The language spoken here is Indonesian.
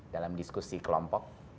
dalam diskusi kelompok